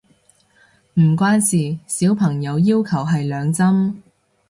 唔關事，小朋友要求係兩針